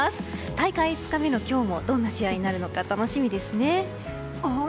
大会５日目の今日もどんな試合になるか楽しみですね。